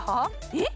えっ？